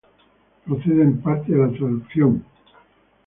Procede en parte de la traducción de